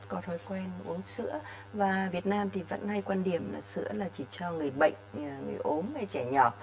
có thói quen uống sữa và việt nam thì vẫn hay quan điểm là sữa là chỉ cho người bệnh người ốm hay trẻ nhỏ